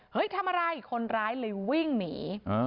ทำอะไรคนร้ายเลยวิ่งหนี